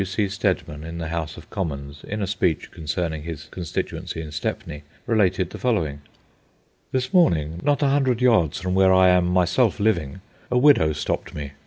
W. C. Steadman, in the House of Commons, in a speech concerning his constituency in Stepney, related the following:— This morning, not a hundred yards from where I am myself living, a widow stopped me.